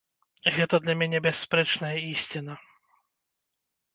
Гэта для мяне бясспрэчная ісціна.